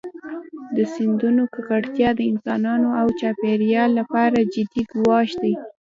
د سیندونو ککړتیا د انسانانو او چاپېریال لپاره جدي ګواښ دی.